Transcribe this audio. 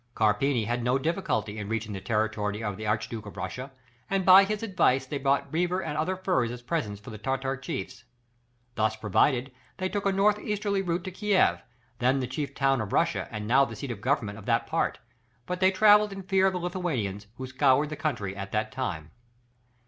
Carpini had no difficulty in reaching the territory of the Archduke of Russia, and by his advice they bought beaver and other furs as presents for the Tartar chiefs. Thus provided, they took a north easterly route to Kiev, then the chief town of Russia and now the seat of Government of that part, but they travelled in fear of the Lithuanians, who scoured the country at that time.